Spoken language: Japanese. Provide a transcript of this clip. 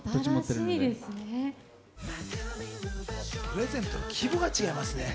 プレゼントの規模が違いますね。